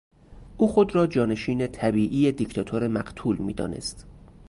او خود را جانشین طبیعی دیکتاتور مقتول میدانست.